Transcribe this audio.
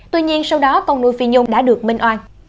tuy nhiên sau đó con nuôi phi nhung đã được minh oan